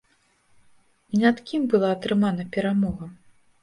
І над кім была атрымана перамога?